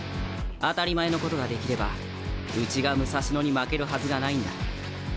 当たり前のことができればうちが武蔵野に負けるはずがないんだ。